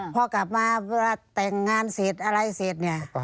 พ่อกลับมาเต็มงานสิทธิ์อะไรสิทธิ์เนี่ย